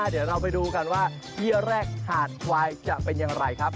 เดี๋ยวเราไปดูกันว่าเยี่ยแรกหาดควายจะเป็นอย่างไรครับ